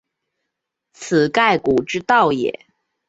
此盖古之道也。